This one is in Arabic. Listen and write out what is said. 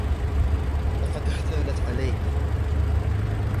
لقد إحتالت عليه.